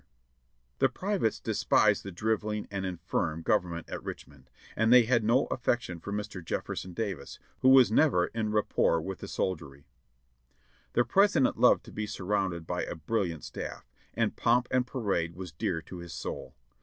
566 JOHNNY REB AND BILLY YANK The privates despised the drivelling and infirm Government at Richmond, and they had no affection for Mr. Jefferson Davis, who was never en rapport with the soldiery. The President loved to be surrounded by a brilliant staff, and pomp and parade was dear to his soul.